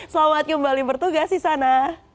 selamat kembali bertugas di sana